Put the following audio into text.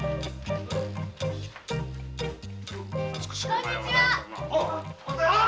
こんにちは。